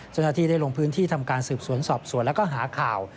เจ้าหน้าที่ได้ลงพื้นที่ทำการสืบสวนสอบสวนแล้วก็หาข่าว